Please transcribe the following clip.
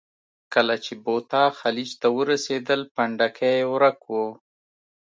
کله چې بوتا خلیج ته ورسېدل، پنډکی یې ورک و.